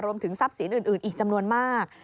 รวมถึงทรัพย์สินอื่นอีกจำนวนมาก